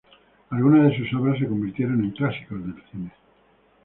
Algunas de sus obras se convirtieron en clásicos del cine.